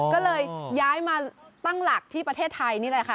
ก็เลยย้ายมาตั้งหลักที่ประเทศไทยนี่แหละค่ะ